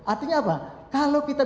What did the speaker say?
artinya apa kalau kita